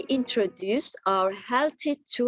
untuk sektor yang lebih kesehatan